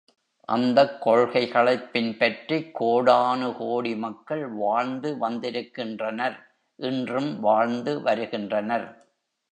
அந்தக் கொள்கைகளைப் பின்பற்றிக், கோடானு கோடி மக்கள் வாழ்ந்து வந்திருக்கின்றனர் இன்றும் வாழ்ந்து வருகின்றனர்.